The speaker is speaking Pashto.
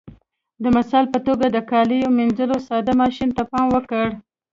د مثال په توګه د کاليو منځلو ساده ماشین ته پام وکړئ.